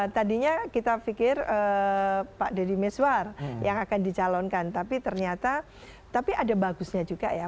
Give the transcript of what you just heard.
tadinya kita pikir pak deddy miswar yang akan dicalonkan tapi ternyata tapi ada bagusnya juga ya